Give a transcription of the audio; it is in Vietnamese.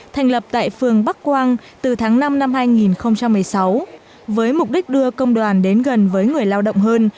thành lập tại phường bắc quang từ tháng năm năm hai nghìn một mươi sáu với mục đích đưa công đoàn đến gần với người lao động hơn